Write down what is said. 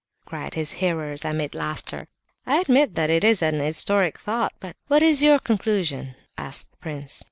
cried his hearers, amid laughter. "I admit that it is an historic thought, but what is your conclusion?" asked the prince.